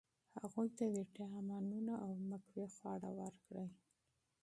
هغوی ته ویټامینونه او مقوي خواړه ورکړئ.